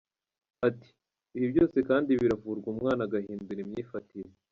Ati” Ibi byose kandi biravurwa umwana agahindura imyifatire.